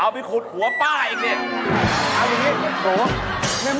เอาไปขูดหัวป้ากันเนี่ย